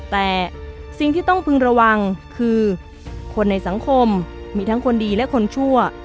แต่สิ่งที่ต้องพึงระวังคือคนในสังคมมีทั้งคนดีและคนชั่ว